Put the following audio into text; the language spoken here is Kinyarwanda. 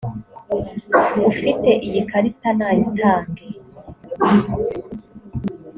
ufite iyi karita nayitange.